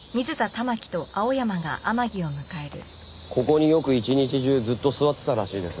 ここによく一日中ずっと座ってたらしいです。